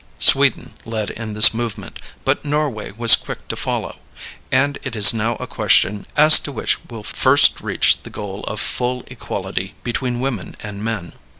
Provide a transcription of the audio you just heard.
Sweden led in this movement, but Norway was quick to follow, and it is now a question as to which will first reach the goal of full equality between women and men.